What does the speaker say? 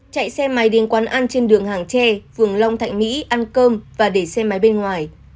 chạy xe máy đến quán ăn trên đường hàng tre phường long thạnh mỹ ăn cơm và để xe máy bên ngoài